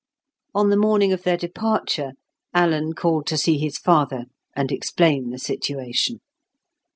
On the morning of their departure, Alan called to see his father, and explain the situation.